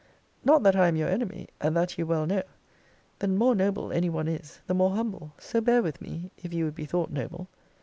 Not that I am your enemy; and that you well know. The more noble any one is, the more humble; so bear with me, if you would be thought noble.